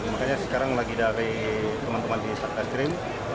makanya sekarang lagi dari teman teman di satreskrim